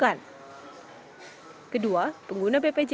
kedua pengguna bpjs harus memastikan rumah sakit yang bermitra dengan bpjs